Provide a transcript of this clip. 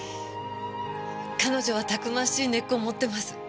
彼女はたくましい根っこを持ってます。